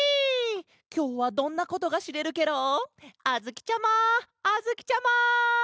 きょうはどんなことがしれるケロ？あづきちゃまあづきちゃま！